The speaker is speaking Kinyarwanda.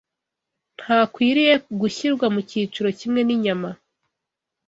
Ntakwiriye Gushyirwa mu Cyiciro Kimwe n’Inyama